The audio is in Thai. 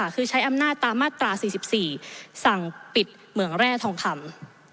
คือใช้อำนาจตามมาตรา๔๔สั่งปิดเหมืองแร่ทองคำ